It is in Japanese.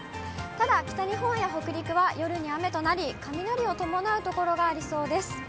ただ、北日本や北陸は夜に雨となり、雷を伴う所がありそうです。